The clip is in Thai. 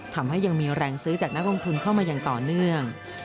ทำให้ยังมีแรงซื้อจากนักลงทุนเข้ามาอย่างต่อเนื่อง